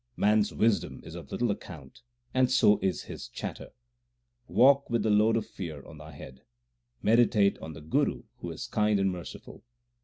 Man s wisdom is of little account, and so is his chatter Walk with the load of fear on thy head ; Meditate on the Guru who is kind and merciful.